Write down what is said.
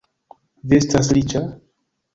Vi estas riĉa?